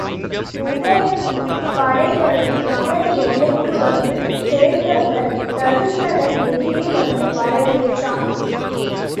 உதயணனும் படைகளும் நகர எல்லைக்கு வந்து சேர்ந்தவுடன் தருசகன் எதிரே வந்து வரவேற்றான்.